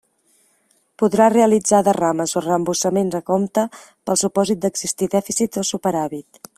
Podrà realitzar derrames o reembossaments a compte, pel supòsit d'existir dèficit o superàvit.